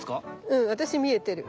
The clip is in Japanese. うん私見えてる。